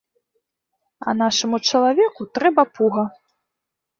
А нашаму чалавеку трэба пуга.